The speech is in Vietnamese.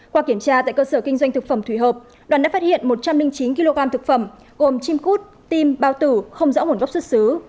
qua kiểm tra tại cơ sở kinh doanh thực phẩm thủy hợp đoàn đã phát hiện một trăm linh chín kg thực phẩm gồm chim cút tim bao tử không rõ nguồn gốc xuất xứ